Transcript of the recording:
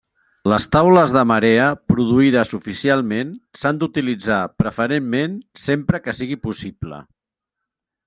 Les taules de marea produïdes oficialment s'han d'utilitzar preferentment sempre que sigui possible.